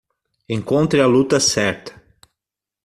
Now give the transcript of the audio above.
Encontre a luta certa